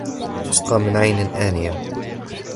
تسقى من عين آنية